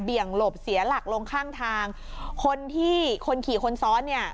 หลบเสียหลักลงข้างทางคนที่คนขี่คนซ้อนเนี่ย